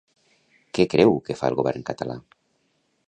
Què creu que fa el govern català?